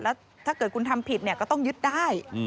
แล้วถ้าเกิดคุณทำผิดก็ต้องยึดได้